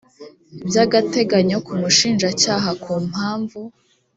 by agateganyo k umushinjacyaha ku mpamvu